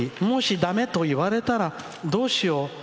もし、だめと言われたらどうしよう。